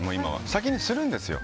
先にするんですよ。